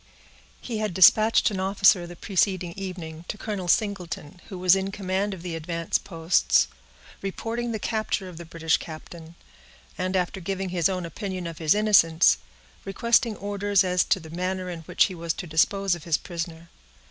He had dispatched an officer, the preceding evening, to Colonel Singleton, who was in command of the advance posts, reporting the capture of the British captain, and, after giving his own opinion of his innocence, requesting orders as to the manner in which he was to dispose of his prisoner.